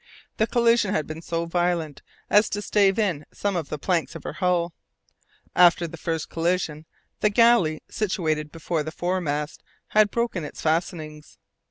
The collision had been so violent as to stave in some of the planks of her hull. After the first collision, the galley situated before the fore mast had broken its fastenings.